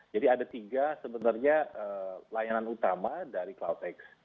jadi ada tiga sebenarnya layanan utama dari cloudx